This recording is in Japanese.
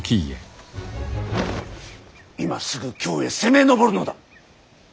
今すぐ京へ攻め上るのだ！